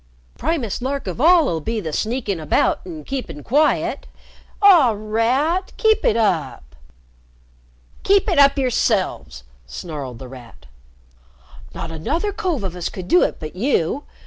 Primest lark of all 'll be the sneakin' about an' keepin' quiet. Aw, Rat! Keep it up!" "Keep it up yourselves!" snarled The Rat. "Not another cove of us could do it but you!